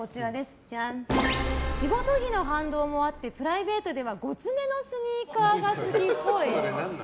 仕事着の反動もあってプライベートではゴツめのスニーカーが好きっぽい。